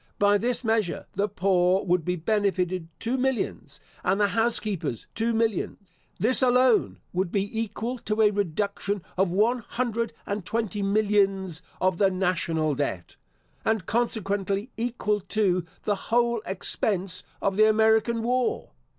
By this measure, the poor would be benefited two millions, and the house keepers two millions. This alone would be equal to a reduction of one hundred and twenty millions of the National Debt, and consequently equal to the whole expense of the American War.